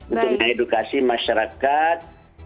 untuk mengedukasi masyarakat dan umat ya